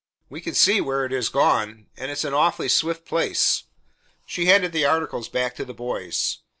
We can see where it is gone. And it's an awful swift place." She handed the articles back to the boys.